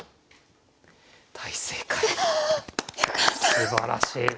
すばらしい。